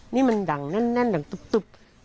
นี่มันดังแน่นดังตุ๊บ